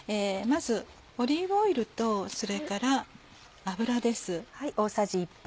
まずオリーブオイルとそれから油です。